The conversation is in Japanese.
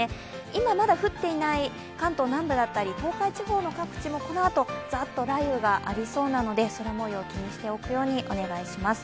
今、まだ降っていない関東南部だったり東海地方各地もこのあとざーっと雷雨がありそうなので、空もよう、気にしておくようにお願いいたします。